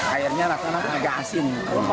airnya rasa agak asin